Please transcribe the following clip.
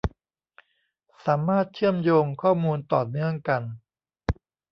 สามารถเชื่อมโยงข้อมูลต่อเนื่องกัน